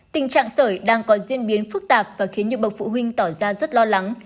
tình trạng sởi đang có diễn biến phức tạp và khiến nhiều bậc phụ huynh tỏ ra rất lo lắng